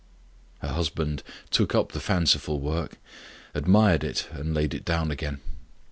Her husband took up the fanciful work, admired it, and laid it down again.